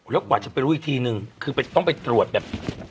แล้วกว่าจะไปรู้อีกทีนึงคือต้องไปตรวจแบบ